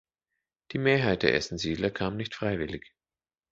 Die Mehrheit der ersten Siedler kam nicht freiwillig.